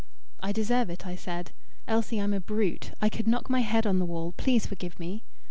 "I deserve it," I said. "Elsie, I'm a brute. I could knock my head on the wall. Please forgive me."